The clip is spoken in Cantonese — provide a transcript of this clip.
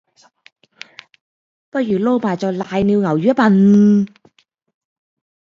不如撈埋做瀨尿牛丸吖笨